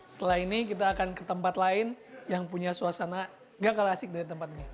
setelah ini kita akan ke tempat lain yang punya suasana gak kalah asik dari tempat ini